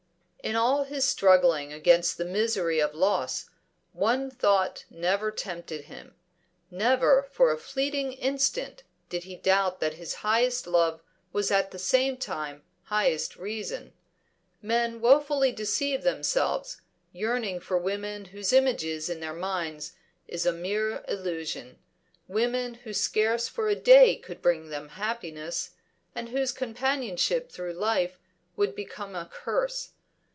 In all his struggling against the misery of loss, one thought never tempted him. Never for a fleeting instant did he doubt that his highest love was at the same time highest reason. Men woefully deceive themselves, yearning for women whose image in their minds is a mere illusion, women who scarce for a day could bring them happiness, and whose companionship through life would become a curse.